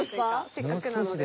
せっかくなので。